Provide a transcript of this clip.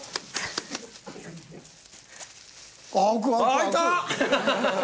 開いた！